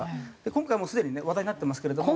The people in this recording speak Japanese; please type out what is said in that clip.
今回もすでにね話題になってますけれども。